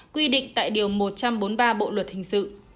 quy định tại điều một trăm bốn mươi ba bộ luật hình sự